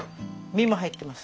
身も入ってます。